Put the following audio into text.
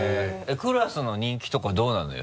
クラスの人気とかどうなのよ？